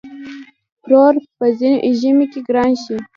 پروړ په ژمی کی ګران شی.